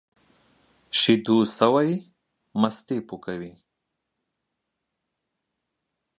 شيدو سوى ، مستې پوکي.